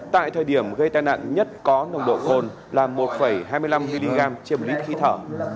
tại thời điểm gây tai nạn nhất có nồng độ cồn là một hai mươi năm mg trên một lít khí thở